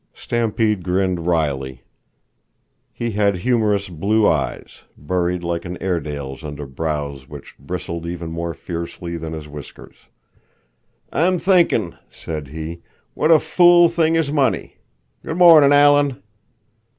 Stampede grinned wryly. He had humorous, blue eyes, buried like an Airedale's under brows which bristled even more fiercely than his whiskers. "I'm thinkin'," said he, "what a fool thing is money. Good mornin', Alan!"